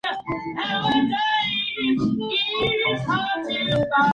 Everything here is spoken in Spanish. Carece de montañas y está situado al pie de Sierra Nevada.